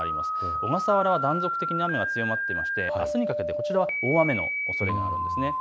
小笠原は断続的に雨が降っていまして、あすはこちらは、大雨のおそれがあるんです。